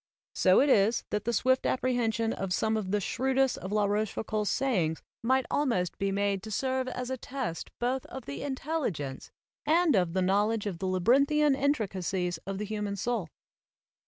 So it is that the swift appre hension of some of the shrewdest of La Roche foucauld's sayings might almost be made to serve as a test both of the intelligence and of the knowledge of the labyrinthian intricacies of the human soul.